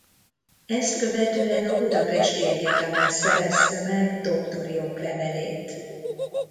Ezt követően a budapesti egyetemen szerezte meg doktori oklevelét.